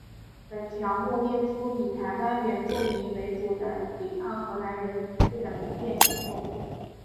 本条目列出以台湾原住民为主的抵抗荷兰人统治的民变行动。